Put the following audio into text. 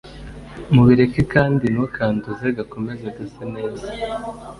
mubirekere kandi ntukanduze gakomeze gase neza